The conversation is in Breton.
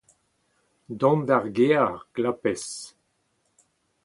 dont d'ar gêr glapez